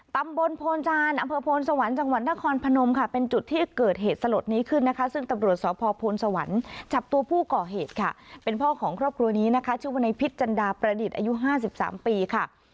ตำบลโพนจานอำเภอโพนสวรรค์จังหวัดนครพนมค่ะเป็นจุดที่เกิดเหตุสลดนี้ขึ้นนะคะซึ่งตำรวจสพโพนสวรรค์จับตัวผู้ก่อเหตุค่ะเป็นพ่อของครอบครัวนี้นะคะชื่อว่าในพิษจันดาประดิษฐ์อายุ๕๓ปีค่ะ